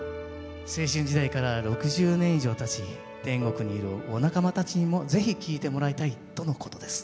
青春時代から６０年以上たち天国にいるお仲間たちにもぜひ聴いてもらいたいとのことです。